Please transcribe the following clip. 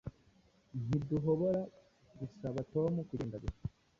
Ntiduhobora gusaba Tom kugenda gusa